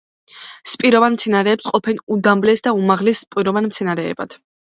სპოროვან მცენარეებს ყოფენ უმდაბლეს და უმაღლეს სპოროვან მცენარეებად.